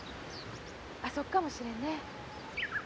あそこかもしれんね。